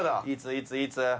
いついついつ？